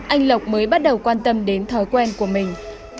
anh lộc mới bắt đầu quan tâm đến thói quen của mình